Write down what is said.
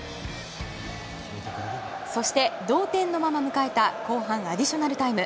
そして同点のまま迎えた後半アディショナルタイム。